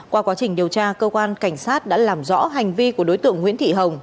qua quá trình điều tra cơ quan cảnh sát đã làm rõ hành vi của đối tượng nguyễn thị hồng